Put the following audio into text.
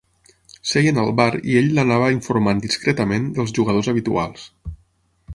Seien al bar i ell l'anava informant discretament dels jugadors habituals.